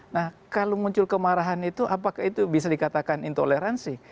nah kalau muncul kemarahan itu apakah itu bisa dikatakan intoleransi